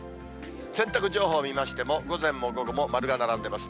洗濯情報を見ましても、午前も午後も丸が並んでます。